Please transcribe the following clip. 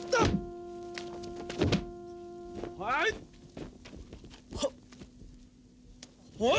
janganlah kau berguna